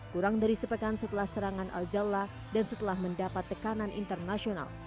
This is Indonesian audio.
kurang dari sepekan setelah serangan al jala dan setelah mendapat tekanan internasional